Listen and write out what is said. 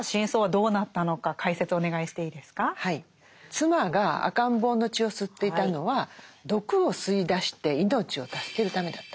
妻が赤ん坊の血を吸っていたのは毒を吸い出して命を助けるためだったと。